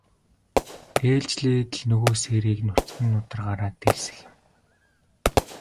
Ээлжлээд л нөгөө сээрийг нүцгэн нударгаараа дэлсэх юм.